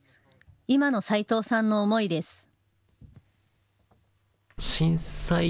今の齊藤さんの思いです。